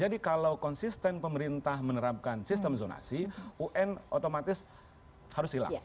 jadi kalau konsisten pemerintah menerapkan sistem zonasi un otomatis harus hilang